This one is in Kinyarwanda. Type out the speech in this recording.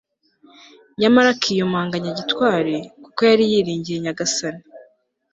nyamara akiyumanganya gitwari, kuko yari yiringiye nyagasani